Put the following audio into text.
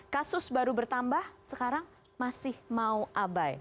kasus baru bertambah sekarang masih mau abai